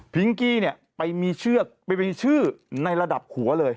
กี้เนี่ยไปมีเชือกไปมีชื่อในระดับหัวเลย